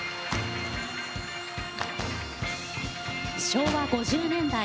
昭和５０年代。